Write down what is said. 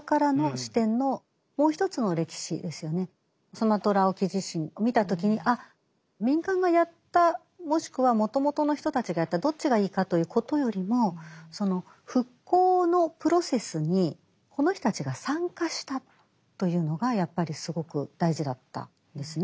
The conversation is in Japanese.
スマトラ沖地震を見た時にあっ民間がやったもしくはもともとの人たちがやったどっちがいいかということよりもその復興のプロセスにこの人たちが参加したというのがやっぱりすごく大事だったんですね。